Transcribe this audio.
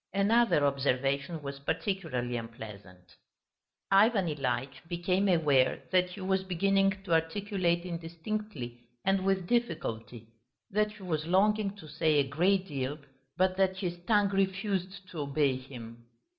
Another observation was particularly unpleasant. Ivan Ilyitch became aware that he was beginning to articulate indistinctly and with difficulty, that he was longing to say a great deal, but that his tongue refused to obey him.